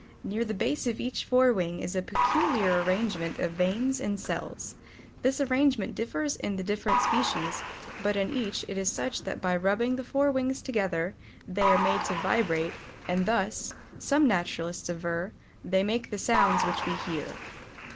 Near the base of each fore wing is a peculiar arrangement of veins and cells. This arrangement differs in the different species, but in each it is such that by rubbing the fore wings together they are made to vibrate, and thus, some naturalists aver, they make the sounds which we hear.